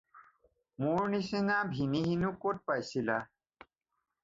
মোৰ নিচিনা ভিনীহিনো ক'ত পাইছিলা?